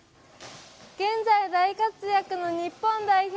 現在、大活躍の日本代表